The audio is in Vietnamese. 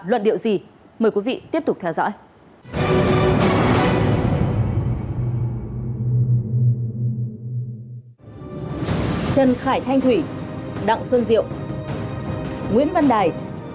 luật điệu gì mời quý vị tiếp tục theo dõi à à ở trần khải thanh thủy đặng xuân diệu nguyễn văn đài